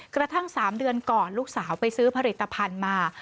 กระทั่ง๓เดือนก่อนลูกสาวไปซื้อผลิตภัณฑ์มา